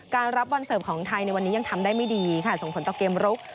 รับวันเสิร์ฟของไทยในวันนี้ยังทำได้ไม่ดีค่ะส่งผลต่อเกมรุก